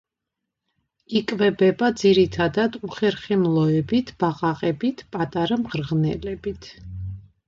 იკვებება ძირითადად უხერხემლოებით, ბაყაყებით, პატარა მღრღნელებით.